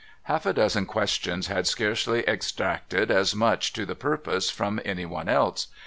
Half a dozen questions had scarcely extracted as much to the purpose from any one else.